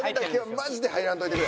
マジで入らんといてくれ。